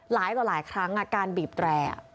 หลายครั้งการบีบแตร